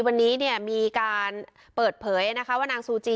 วันนี้มีการเปิดเผยนะคะว่านางซูจี